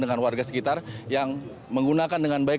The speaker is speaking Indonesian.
dengan warga sekitar yang menggunakan dengan baik